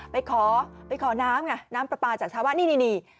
ไปขอน้ำน้ำปลาปลาจากชาวบ้านนี่นี่นี่